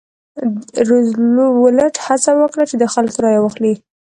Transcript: روزولټ هڅه وکړه چې د خلکو رایه واخلي.